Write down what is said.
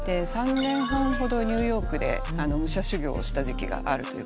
３年半ほどニューヨークで武者修行をした時期がある。